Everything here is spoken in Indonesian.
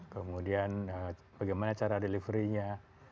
kemudian bagaimana cara delivery nya